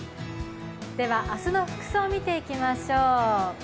明日の服装、見ていきましょう。